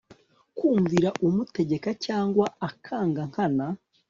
kumvira umutegeka cyangwa akanga nkana